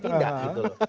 tidak gitu loh